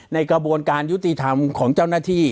กระบวนการยุติธรรมของเจ้าหน้าที่